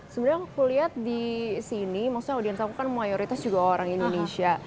sebenarnya aku lihat di sini maksudnya audiens aku kan mayoritas juga orang indonesia